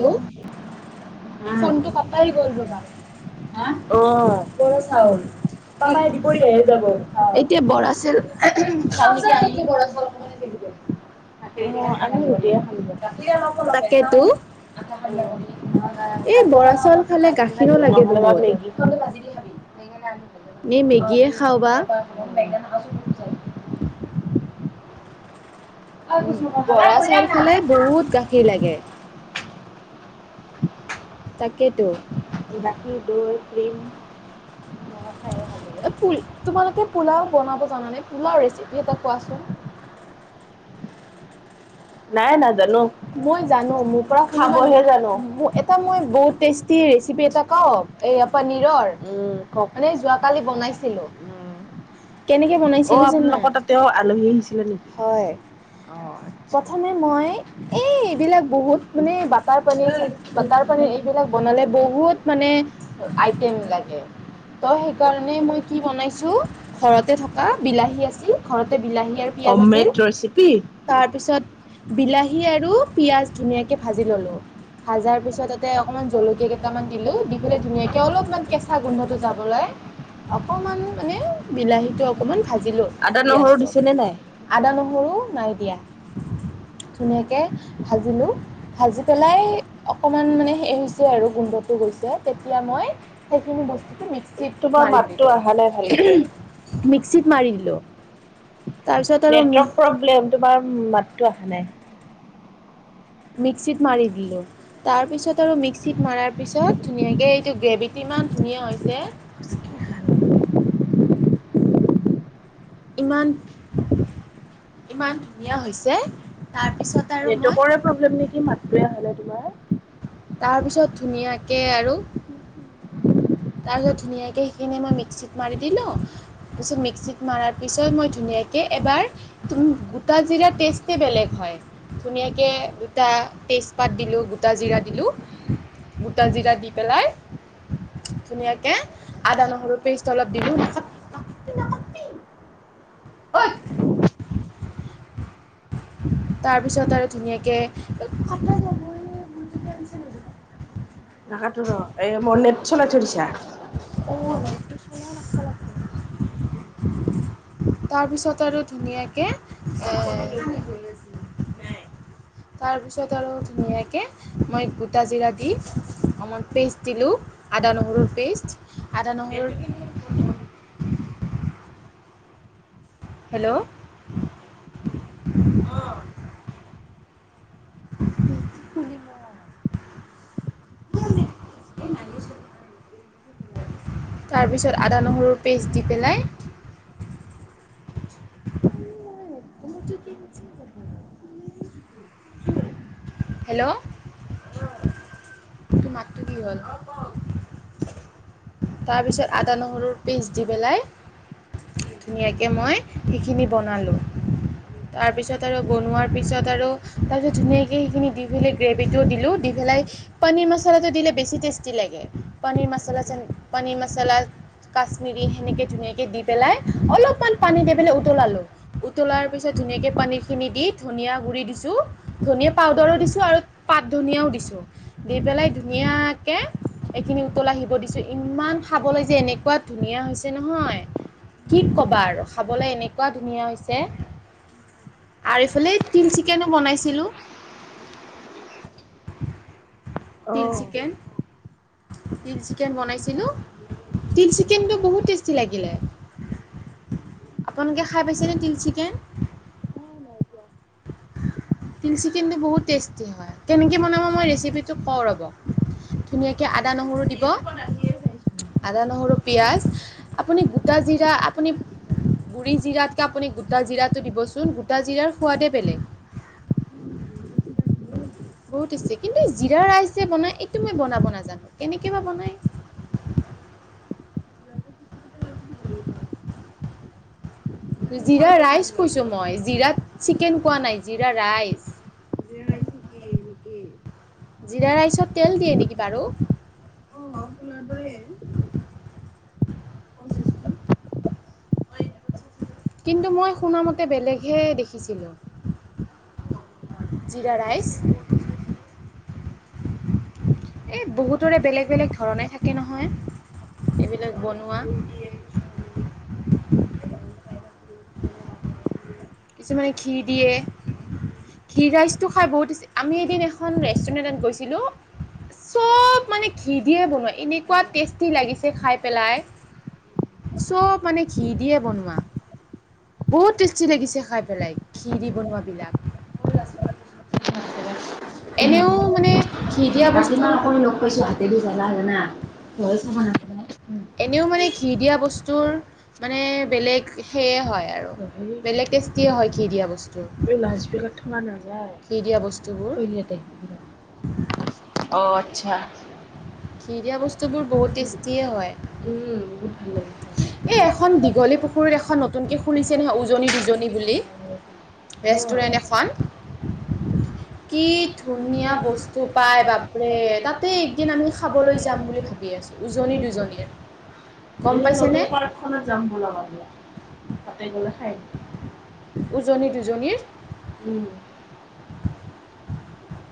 Hello, আ, ফোনটো কাটাই গ'ল হবলা। [unintelligible] উম, বৰা চাওল পাপাই দিব লৈও যাব অ, এতিয়া বৰা চাওল [unintelligible] [unintelligible] তাকেইতো। [unintelligible] [unintelligible] [unintelligible] উম, বৰা চাইল খালে বহুত গাখীৰ লাগে। [unintelligible] তাকেতো। এই গাখীৰ, দৈ, ক্ৰীম [unintelligible] এ পোল তোমালোকে পোলাও বনাব জানানে পোলাও ৰেচিপি এটা কোৱাচোন? [inaudible] নাই নাজানে মই জানো মোৰ পৰা শুনিবা নিকি [unintelligible] মো এটা মই বহুত টেষ্টি ৰেচিপি এটা কওঁ এইয়া পনীৰৰ মানে যোৱাকালি বনাইছিলোঁ। অ, আপোনালোকৰ তাতেও আলহী আহিছিলে নেকি অ, [unintelligible] বাটাৰ পনীৰ এইবিলাক বনালে বহুত মানে আইটিয়েম লাগে ত' সেইকাৰণে মই কি বনাইছো ঘৰতে তোমাৰ বিলাহী আছিল ঘৰতে বিলাহী আৰু [unintelligible] হমমেড ৰচিপি তাৰপিছত বিলাহী আৰু পিঁয়াজ ধুনীয়াকে ভাজি ললোঁ। ভাজাৰ পিছত তাতে অকমান জলকীয়া কেইটামান দিলো দি পেলাই ধুনীয়াকে অলপমান কেঁচা গোন্ধটো যাবলৈ অকমান মানে বিলাহীটো অকমান ভাজিলোঁ পিয়াজটো। আদা, নহৰু নাই দিয়া। ধুনীয়াকে ভাজিলোঁ ভাজি পেলাই অকমান মানে হে হৈছে আৰু গোন্ধটো গৈছে তেতিয়া মই সেইখিনি বস্তুটো মিক মিক্সিত মাৰি দিলোঁ [unintelligible] মিক্সিত মাৰি দিলোঁ। তাৰপিছত আৰু [unintelligible] তোমাৰ মাতটো আহা নাই। মিক্সিত মাৰি দিলোঁ। তাৰপিছত আৰু মিক্সিত মাৰাৰ পিছত ধুনীয়াকে এইটো গ্ৰেভিটো ইমান ধুনীয়া হৈছে। [unintelligible] ইমান ইমান ধুনীয়া হৈছে [unintelligible] নেটৱৰ্কৰে প্ৰব্লেম নেকি মাতটোৱে আহা নাই তোমাৰ? তাৰপিছত ধুনীয়াকে আৰু। তাৰপিছত ধুনীয়াকে সেইখিনি মই মিক্সিত মাৰি দিলোঁ। তাৰপিছত মিক্সিত মৰাৰ পিছত মই ধুনীয়া কে এবাৰ গোটা জিৰা টেষ্টে বেলেগ হয়। ধুনীয়াকে দুটা তেজপাত দিলো, গোটা জিৰাত দিলোঁ, গোটা জিৰা দি পেলাই। [unintelligible] [unintelligible] তাৰপিছত আৰু ধুনীয়াকে নাকাতটো ৰ, এ মোৰ নেট চলাই থৈ দিছা। [unintelligible] তাৰ পিছত আৰু ধুনীয়াকে এ তাৰ পিছত আৰু ধুনীয়াকে মই গোটা জিৰা দি, আমাৰ পেষ্ট দিলো আদা নহৰুৰ পেষ্ট আদা নহৰু হেল্ল' অঁ খুন্দি লওঁ তাৰপিছত আদা নহৰুৰ পেষ্ট দি পেলাই, [inaudible] হেল্ল। কি হ'ল? তাৰপিছত আদা নহৰুৰ পেষ্ট দি পেলাই, ধুনীয়াকে মই সেইখিনি বনালোঁ। তাৰ পিছত আৰু বনোৱাৰ পিছত আৰু তাৰ পিছত ধুনীয়াকে সেইখিনি দি পেলাই। গ্ৰেভিটো দিলোঁ, দি পেলাই পনীৰ মাচালাটো দিলে বেছি টেষ্টি লাগে। পনীৰ মাচালা যেন পানীৰ মাচালা কাশ্মিৰী সেনেকে ধুনীয়াকে দি পেলাই অলপমান পানী দি পেলাই উতলালো। উতলাৰ পিছত ধুনীয়াকৈ পানীখিনি দি ধনিয়ীয়া গুড়ি দিছোঁ, ধনীয়া পাউদাৰো দিছোঁ আৰু পাত ধনিয়াও দিছো, দি পেলাই ধুনীয়াকে এইখিনি উতলাই আহিব দিছো। ইমান খাবলৈ যে এনেকুৱা ধুনীয়া হৈছে নহয়। কি কবা আৰু খাবলৈ এনেকুৱা ধুনীয়া হৈছে। আৰু ইফালে তিল চিকেনো বনাইছিলোঁ। তিল চিকেন তিল চিকেন বনাইছিলোঁ। তিল চিকেনটো বহুত টেষ্টি লাগিলে। আপোনালোকে খাই পাইছেনে তিল চিকেন? ন নাই খোৱা। টিল চিকেনটো বহুত টেষ্টি হয়, কেনেকৈ বনাব মই ৰেচিপিটোক কওঁ ৰ'ব। ধুনীয়াকে আদা নহৰু দিব। আদা নহৰু পিঁয়াজ, আপুনি গোটা জিৰা আপুনি গুড়ি জিৰাতকে আপুনি গোটা জিৰাটো দিবচোন গোটা জিৰাৰ সোৱাদে বেলেগ। বহুত টেষ্টি, কিন্তু জিৰা ৰাইচ যে বনাই এইটো মই বনাব নাজানো কেনেকে বা বনাই? জিৰা ৰাইচ কৈছো, মই জিৰা চিকেন কোৱা নাই, জিৰা ৰাইচ। জিৰা ৰাইচত তেল দিয়ে নেকি বাৰু? [unintelligible] [unintelligible] কিন্তু মই শুনামতে বেলেগহে দেখিছিলো।। জিৰা ৰাইচ। [unintelligible] এ বহুতৰে বেলেগ বেলেগ ধৰণে থাকে নহয়, এইবিলাক বনোৱা। কিছুমানে ঘি দিয়ে। ঘী ৰাইচটো খাই বহুত আমি এদিন এখন ৰেষ্টুৰেণ্টত গৈছিলোঁ। চব মানে ঘি দিয়ে বনোৱা এনেকুৱা টেষ্টি লাগিছে খাই পেলাই। চব মানে ঘি দিয়ে বনোৱা, বহুত টেষ্টি লাগিছে। খাই পেলাই, ঘি দি বনোৱাবিলাক। [unintelligible] এনেও মানে ঘি দিয়া বস্তুৰ কৈছোঁ আতেদি জ্বলা হয় না এনেও মানে ঘি দিয়া বস্তুৰ মানে বেলেগ সেয়ে হয় আৰু। এই লাজ বিলাক তোমাৰ নাযায়। [unintelligible] অ' আচ্ছা। ঘি দিয়া বস্তুবোৰ বহুত টেষ্টিয়ে হয়। বহুত ভাল লাগে খায়। এখন নতুনকে খুলিছে নহয়, উজনি দুজনী বুলি, ৰেষ্টুৰেণ্ট এখন। কি ধুনীয়া বস্তু পায় বাপৰে, তাতে এদিন আমি খাবলৈ যাম বুলি ভাবি আছোঁ। উজনি দুজনীৰ, গম পাইছেনে? খনত যাম ওলাবা, তাতে গ'লে খাই আহিম। উজনি দুজনীৰ। উম।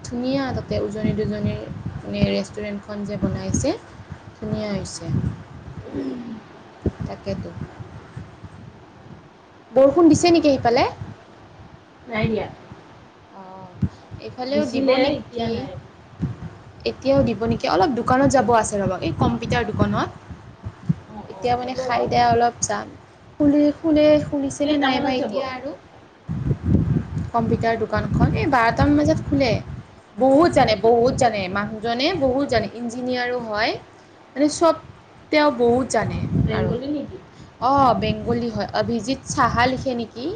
ধুনীয়া তাতে, উজনি দুজনিৰ, মানে ৰেষ্টুৰেণ্টখন যে বনাইছে। ধুনীয়া হৈছে। উম। তাকেটো। বৰষুণ দিছে নেকি সেইফালে? নাই দিয়া। অ', এইফালেও দিব নেকি? এতিয়াও দিব নেকি অলপ দোকানত যাব আছে ৰ'বা, এই কম্পিউটাৰ দোকানত। এতিয়া মানে খাই দিয়া অলপ যাম। খুলি, খোলে খুলিছেনে নাইবা এতিয়া আৰু। কম্পিউটাৰ দোকান। এ বাৰটামান বজাত খোলে। বহুত জানে, বহুত জানে, মানুহজনে বহুত জানে ইঞ্জিনিয়াৰো হয়। মানে চব তেওঁ বহুত জানে আৰু। অঁ বেংগলী হয়, অভিজিত চাহা লিখে নিকি?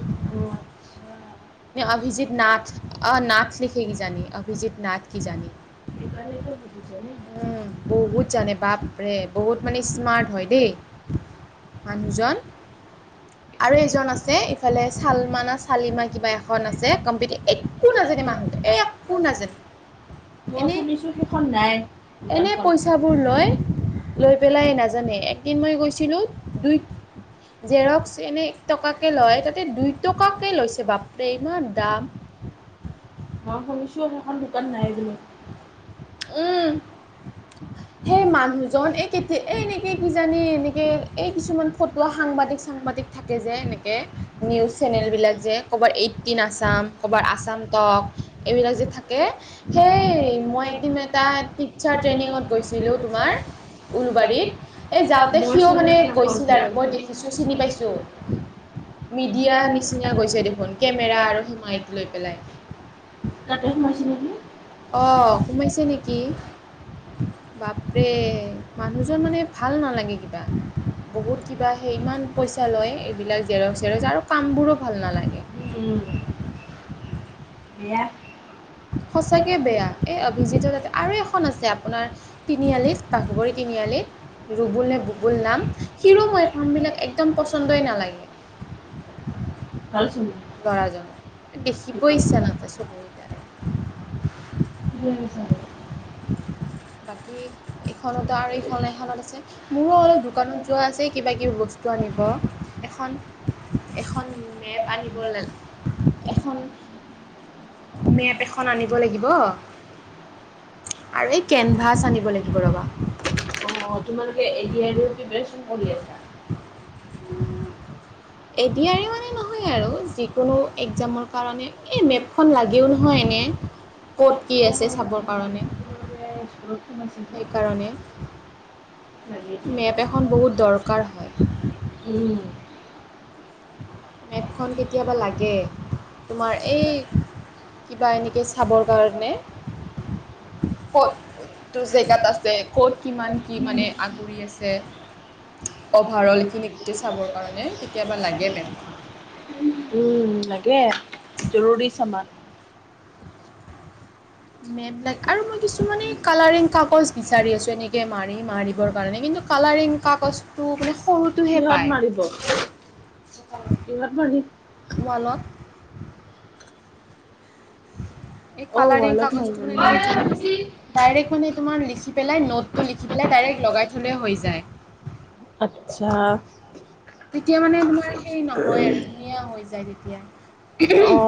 তো [unintelligible] অ, নাথ লিখে কিজানি, অভিজিত নাথ কিজানি। [unintelligible] মানুহজন। আৰু এজন আছে, ইফালে চালমা না, চালিমা কিবা এখন আছে। একো নাজানে মানুহটো, একো নাজানে। মই শুনিছো সেইখন নাই, দোকানখন। লৈ পেলাই নাজানে, একদিন মই গৈছিলো দুই জেৰক্স এনে এক টকাকে লয়, তাতে দুই টকাকে লৈছে বাপ মই শুনিছো, সেইখন দোকান নাই বুলি। উম, সেই মানুহজন এক, এনেকে কিজানি, এনেকে এই কিছুমান ফটোৱা সাংবাদিক চাংবাদিক থাকে যে এনেকে, নিউজ চেনেলবিলাক যে, কৰ'বাৰ এইঠটিন আছাম, কৰ'বাৰ আছাম টক এইবিলাক যে থাকে, সেই মই মই এটা টিচাৰ ট্ৰেইনিঙত গৈছিলো তোমাৰ, উলুবাৰীত, এ যাওঁতে সিও মানে গৈছিল আৰু মই দেখিছো, চিনি পাইছো। মিডিয়া নিচিনা গৈছে দেখোন, কেমেৰা আৰু সেই মাইক লৈ পেলাই। তাতে সোমাইছে নেকি? অ', সোমাইছে নেকি? বাপৰে, মানুহজন মানে ভাল নালাগে কিবা। বহুত কিবা, সেই ইমান পইচা লয়, এইবিলাক জেৰক্স চেৰক্স আৰু কামবোৰো ভাল নালাগে। উম, সঁচাকে বেয়া, এই অভিজিত তাতে আৰু এখন আছে আপোনাৰ, তিনিআলিত, বাঘবৰী তিনিআলিত। ৰুবুল নে বুবুল নাম সিৰো মই কামবিলাক একদম পচন্দই নালাগে। ভালচোন। ল'ৰাজনৰ দেখিবয়ে ইচ্ছা নাযায় চকুকেইটাৰে। কি বিচাৰে? বাকী এইখনতো আৰু এইখন এখনত আছে। মোৰো অলপ দোকানত যোৱা আছে কিবা কিবি বস্তু আনিব। এখন এখন মেপ আনিবলে এখন। মেপ এখন আনিব লাগিব। আৰু এই কেনভাছ আনিব লাগিব ৰ'বা। অ, তোমালোকে এ দি অৰ ৰি প্ৰিপেচন কৰি আছা? এ দি অৰ ৰি বুলি নহয় আৰু যিকোনো এক্সজামৰ কাৰণে। এই মেপখন লাগিও নহয় এনে। ছিল [unintelligible] উম, মেপখন কেতিয়াবা লাগে তোমাৰ এই কিবা এনেকৈ চাবৰ কাৰণে। ক'ত কোনটো জেগাত আছে ক'ত কিমান কি মানে আগুৰি আছে? অভাৰ অলখিনি গোটেই চাবৰ কাৰণে কেতিয়াবা লাগে মেপখন। উম, লাগে জৰুৰী চমান। মেপবিলাক আৰু মই কিছুমান এই কালাৰিং কাগজ বিচাৰি আছোঁ, এনেকে মাৰি মাৰিবৰ কাৰণে কিন্তু কালাৰিং কাগজটো মানে সৰুটোহে পায়। কিহত লগাবি ৱালত। এই কালাৰিং কাগজটো মানে ডাৰেক্ট তোমাৰ লিখি পেলাই নোট, নোটতো লিখি পেলাই ডাইৰেক্ট লগাই থলে হৈ যায়। আচ্ছা, তেতিয়া মানে তোমাৰ সেই নহয় আৰু ধুনীয়া হৈ যায় তেতিয়া।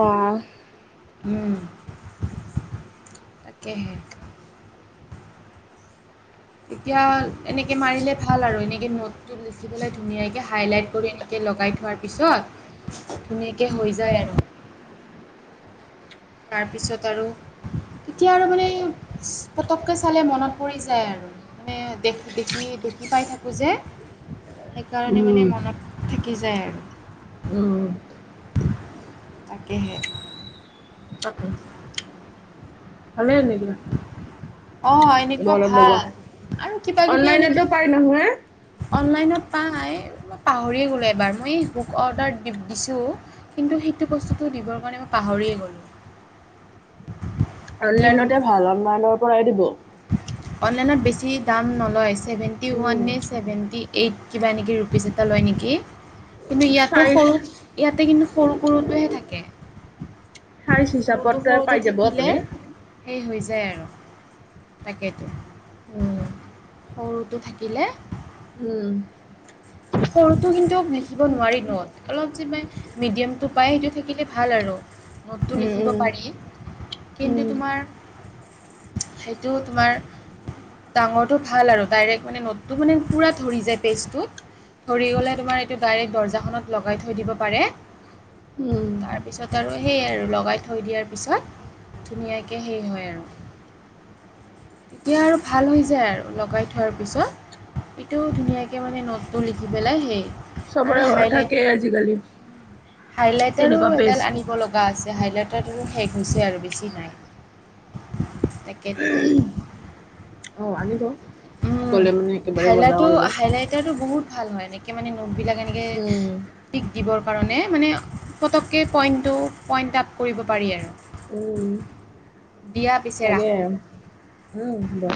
উম, তাকেহে। এতিয়া এনেকে মাৰিলে ভাল আৰু এনেকে নোটটো লিখি পেলাই ধুনীয়াকে হাইলাইট কৰি আনি। লগাই থোৱাৰ পিছত ধুনীয়াকে হৈ যায় আৰু। তাৰপিছত আৰু তেতিয়া আৰু মানে পতককে চালে মনত পৰি যায় আৰু। মানে দেখ দেখি দেখি পাই থাকো যে, সেইকাৰণে মানে মনত থাকি যায় আৰু। উম তাকেহে। তাকে, ভালে নি এইবিলাক অ'এনেকুৱা ভাল, আৰু কিবা কিবি এনেকে অনলাইনত পাই, মই পাহৰিয়ে গ'লো এবাৰ মই এই হোক অৰ্ডাৰ দি দিছোঁ। কিন্তু, সেইটো বস্তুটো দিবৰ কাৰণে মই পাহৰিয়ে গ'লো। অনলাইনতে ভাল অনলাইনৰ পৰাই দিব। অনলাইনত বেছি দাম নলয়। ছেভেন্টি ওৱান নে ছেভেন্টি এইট কিবা এনেকে ৰুপিজ এটা লয় নেকি। কিন্তু ইয়াতে সৰু ইয়াতে কিন্তু সৰু সৰুটোহে থাকে। সৰুটো সৰুটো থাকিলে সেই হৈ যায় আৰু তাকেইতো উম সৰুটো থাকিলে উম সৰুটো কিন্তু বেছিব নোৱাৰি ন'ট অলপ যে পায়, মিডিয়ামটো পায় সেইটো থাকিলে ভাল আৰু নোটটো লিখিব পাৰি। কিন্তু তোমাৰ সেইটো তোমাৰ ডাঙৰটো ভাল আৰু ডাইৰেক্ট মানে ন'ট টো মানে পূৰা ধৰি যায় পেজটো ধৰি গ'লে তোমাৰ এইটো ডাইৰেক্ট দৰ্জাখনত লগাই থৈ দিব পাৰে। উম। পিছত আৰু সেই আৰু লগাই থৈ দিয়াৰ পিছত, ধুনীয়াকে সেই হয় আৰু [unintelligible] তেতিয়া আৰু ভাল হৈ যায় আৰু লগাই থোৱাৰ পিছত, ইটো ধুনীয়াকে মানে ন'ট টো লিখি পেলাই সেই আৰু হাইলাইট, হাইলাইটাৰো এডাল আনিব ল গা আছে, হাইলাইটাৰ টোৰো আৰু শেষ হৈছে আৰু বেছি নাই। তাকেই তু উম, হাইলটো হাইলাইতটো বহুত ভাল হয় এনেকে মানে নোট বিলাক এনেকে টিক দিবৰ কাৰণে, মানে পটককে পইণ্টটো পইণ্ট আপ কৰিব পাৰি আৰু। উম তাকে উম বা